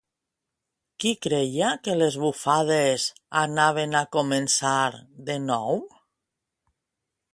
Qui creia que les bufades anaven a començar de nou?